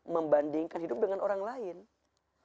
membandingkan hidup dengan orang lain